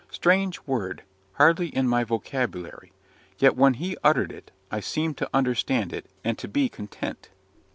Strange word! hardly in my vocabulary. Yet, when he uttered it, I seemed to understand it and to be content.